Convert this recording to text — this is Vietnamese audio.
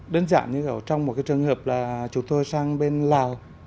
đơn giản như kiểu trong một cái trường hợp là chúng tôi sang bên lào